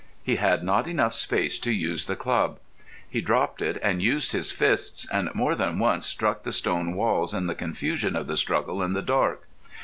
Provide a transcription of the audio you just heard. He had not enough space to use the club. He dropped it and used his fists, and more than once struck the stone walls in the confusion of the struggle in the dark.